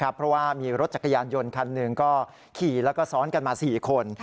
เพราะว่ามีรถจักรยานยนต์คันหนึ่งก็ขี่แล้วก็ซ้อนกันมา๔คน